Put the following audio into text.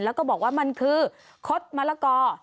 แล้วก็บอกว่ามันคือคดมะละกอ